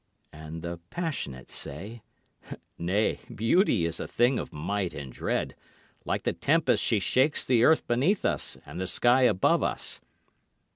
And the passionate say, "Nay, beauty is a thing of might and dread. Like the tempest she shakes the earth beneath us and the sky above us."